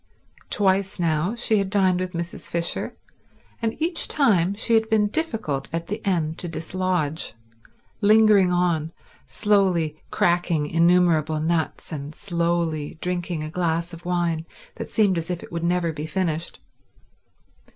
Twice now had she dined with Mrs. Fisher, and each time she had been difficult at the end to dislodge, lingering on slowly cracking innumerable nuts and slowly drinking a glass of wine that seemed as if it would never be finished.